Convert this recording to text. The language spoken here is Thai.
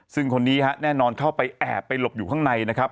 ซึ่งคนนี้ฮะแน่นอนเข้าไปแอบไปหลบอยู่ข้างในนะครับ